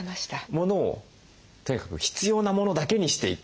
モノをとにかく必要なモノだけにしていく？